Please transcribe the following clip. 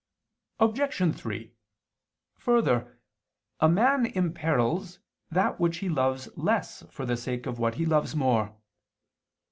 Obj. 3: Further, a man imperils that which he loves less for the sake of what he loves more.